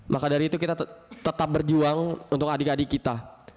maka dari itu kita tetap berjuang untuk adik adik kita